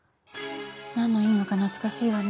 何の因果か懐かしいわね。